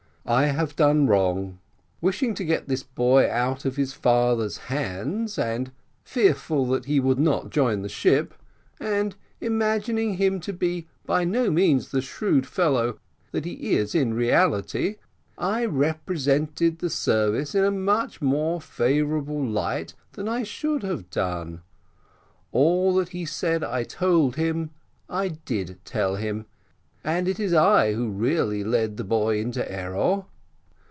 I have done wrong: wishing to get this boy out of his father's hands, and fearful that he would not join the ship, and imagining him to be by no means the shrewd fellow that he is in reality, I represented the service in a much more favourable light than I should have done; all that he says I told him I did tell him, and it is I who really led the boy into error.